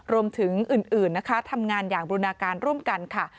รวมถึงอื่นนะคะทำงานอย่างบูรณาการร่วมกันค่ะ